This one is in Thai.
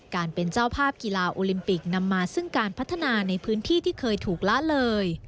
การเป็นเจ้าภาพกีฬาโอลิมปิกนำมาซึ่งการพัฒนาในพื้นที่ที่เคยถูกละเลย